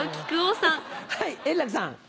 はい円楽さん。